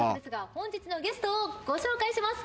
本日のゲストをご紹介します。